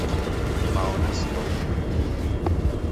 Mao nasilwa putu.